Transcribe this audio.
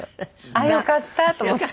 あっよかったと思って。